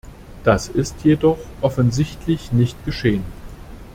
Das ist jedoch offensichtlich nicht geschehen.